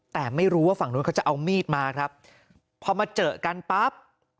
แต่ไม่รู้ว่าฝั่งนู้นเขาจะเอามีดมาครับพอมาเจอกันปั๊บ